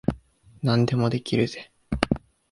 何でもできるぜ。